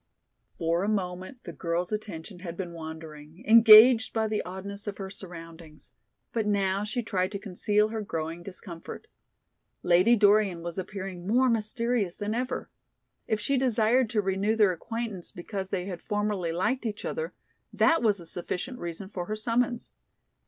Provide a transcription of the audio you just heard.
For a moment the girl's attention had been wandering, engaged by the oddness of her surroundings, but now she tried to conceal her growing discomfort. Lady Dorian was appearing more mysterious than ever! If she desired to renew their acquaintance because they had formerly liked each other, that was a sufficient reason for her summons.